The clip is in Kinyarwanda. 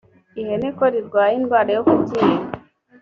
ihene ko rirwaye indwara yo kubyimba